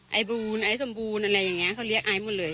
ไอบูลไอสมบูรณ์อะไรอย่างนี้เขาเรียกไอซ์หมดเลย